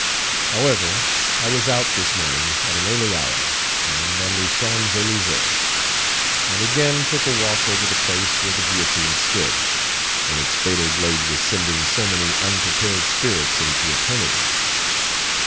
However, I was out this morning at an early hour, and on the Champs Elysees; and again took a walk over the place where the guillotine stood, when its fatal blade was sending so many unprepared spirits into eternity.